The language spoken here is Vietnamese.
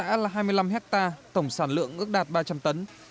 hợp tác xã là hai mươi năm hectare tổng sản lượng ước đạt ba trăm linh tấn